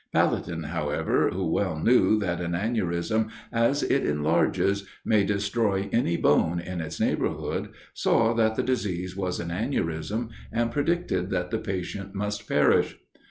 Pelletan, however, who well knew that an aneurism, as it enlarges, may destroy any bone in its neighborhood, saw that the disease was an aneurism, and predicted that the patient must perish.